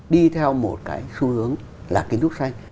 đi theo một cái xu hướng là kiến trúc xanh